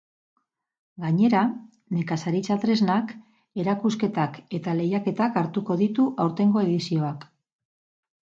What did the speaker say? Gainera, nekazaritza tresnak, erakusketak eta lehiaketak hartuko ditu aurtengo edizioak.